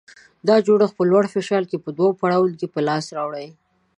دا جوړښت په لوړ فشار کې په دوه پړاوونو کې په لاس راوړي.